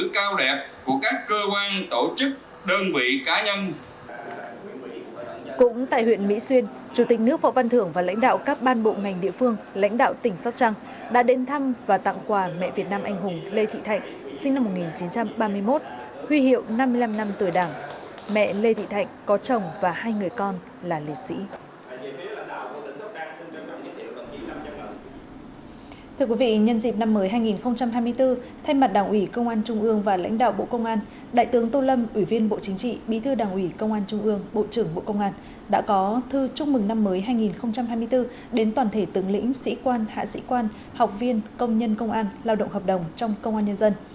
trên mặt đảng ủy công an trung ương và lãnh đạo bộ công an đại tướng tô lâm ủy viên bộ chính trị bí thư đảng ủy công an trung ương bộ trưởng bộ công an đã có thư chúc mừng năm mới hai nghìn hai mươi bốn đến toàn thể tướng lĩnh sĩ quan hạ sĩ quan học viên công nhân công an lao động hợp đồng trong công an nhân dân